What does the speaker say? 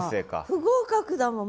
不合格だもん。